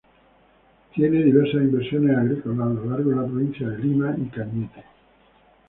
Tiene diversas inversiones agrícolas a lo largo de la provincia de Lima y Cañete.